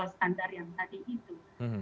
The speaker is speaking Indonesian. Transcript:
standar yang tadi itu